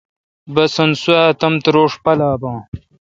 بسنت سوا تمتوروݭ پالا بون۔